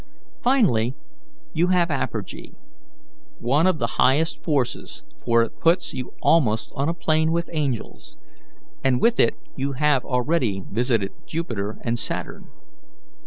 "Finally, you have apergy, one of the highest forces, for it puts you almost on a plane with angels, and with it you have already visited Jupiter and Saturn.